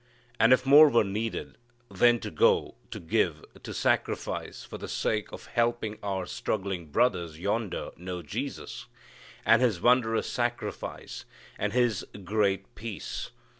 And if more were needed then to go, to give, to sacrifice for the sake of helping our struggling brothers yonder know Jesus, and His wondrous sacrifice and His great peace.